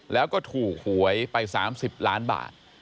แล้วก็ถูกหวยไป๓๐ล้านบาท